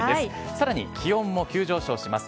さらに、気温も急上昇します。